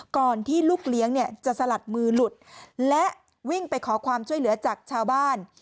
ก่อนที่ลูกเลี้ยงเนี่ยจะสลัดมือหลุดและวิ่งไปขอความช่วยเหลือจากชาวบ้าน